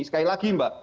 sekali lagi mbak